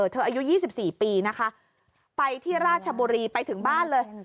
อายุ๒๔ปีนะคะไปที่ราชบุรีไปถึงบ้านเลย